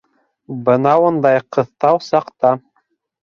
Бынауындай ҡыҫтау саҡта!